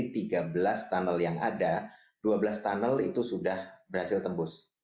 dari tiga belas tunnel yang ada dua belas tunnel itu sudah berhasil tembus